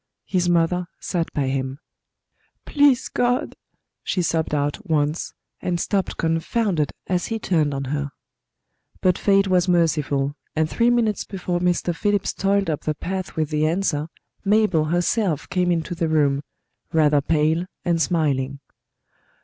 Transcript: His mother sat by him. "Please God " she sobbed out once, and stopped confounded as he turned on her. But Fate was merciful, and three minutes before Mr. Phillips toiled up the path with the answer, Mabel herself came into the room, rather pale and smiling.